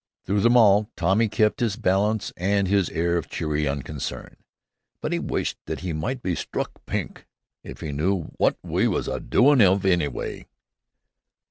Through them all Tommy kept his balance and his air of cheery unconcern, but he wished that he might be "struck pink" if he knew "wot we was a doin' of anyw'y."